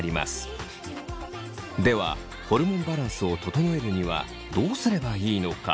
ではホルモンバランスを整えるにはどうすればいいのか。